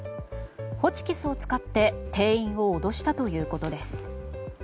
ホチキスを使って店員を脅したということです。